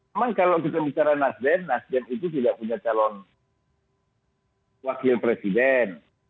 memang kalau kita bicara nasdem nasdem itu tidak punya calon wakil presiden